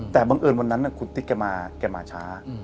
แต่บังเอิญวันนั้นคุณติ๊กแกมาช้า